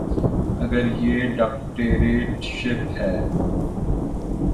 اگر یہ ڈکٹیٹرشپ ہے۔